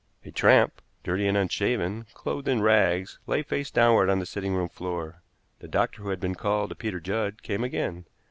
A tramp, dirty and unshaven, clothed in rags, lay face downward on the sitting room floor. The doctor who had been called to Peter Judd came again.